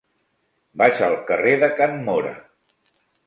Vaig al carrer de Can Móra.